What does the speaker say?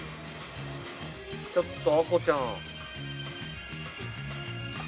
ちょっとあこちゃん。